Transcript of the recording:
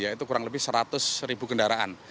yaitu kurang lebih seratus ribu kendaraan